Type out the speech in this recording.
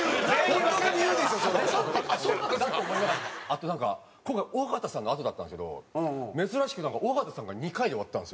あとなんか今回尾形さんのあとだったんですけど珍しく尾形さんが２回で終わったんですよ。